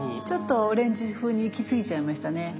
ちょっとオレンジふうにいきすぎちゃいましたね。